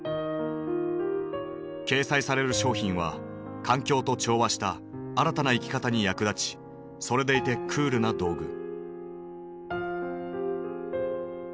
掲載される商品は環境と調和した新たな生き方に役立ちそれでいてクールな道具。